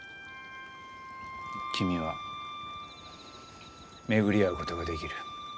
君は巡り会うことができる。